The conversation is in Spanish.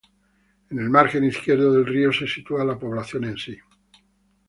En el margen izquierdo del río se sitúa la población en sí.